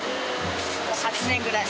１８年ぐらい。